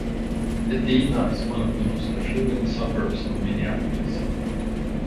Edina is one of the most affluent suburbs of Minneapolis.